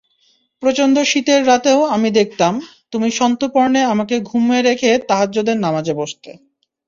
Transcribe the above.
প্রচণ্ড শীতের রাতেও আমি দেখতাম, তুমি সন্তর্পণে আমাকে ঘুমে রেখে তাহাজ্জদের নামাজে বসতে।